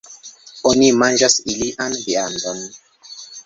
Oni manĝas ilian viandon.